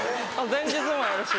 前日もやるし。